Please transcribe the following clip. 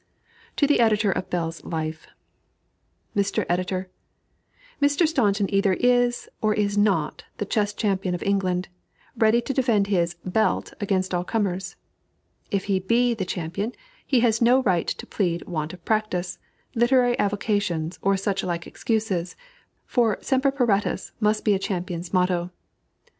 To the Editor of Bell's Life: MR. EDITOR: Mr. Staunton either is, or is not, the chess champion of England, ready to defend his "belt" against all comers. If he be the champion, he has no right to plead "want of practice," "literary avocations," or such like excuses, for "semper paratus" must be a "champion's" motto.